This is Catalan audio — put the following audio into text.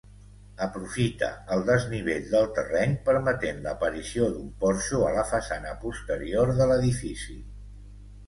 Aprofita el desnivell del terreny permetent l'aparició d'un porxo a la façana posterior de l'edifici.